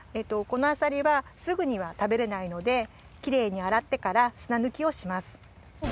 このあさりはすぐにはたべれないのできれいにあらってから砂ぬきをします。